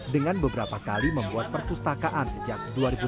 dengan beberapa kali membuat perpustakaan sejak dua ribu tiga